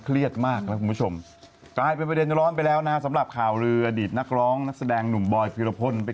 เขาวงให้ดูไงว่าผู้ชายนั่นไง